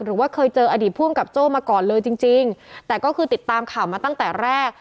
หรือว่าเคยเจออดีตภูมิกับโจ้มาก่อนเลยจริงจริงแต่ก็คือติดตามข่าวมาตั้งแต่แรก